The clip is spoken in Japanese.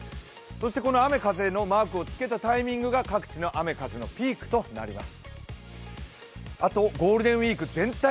そして、この雨風のマークをつけたタイミングが、各地の雨風のピークとなります。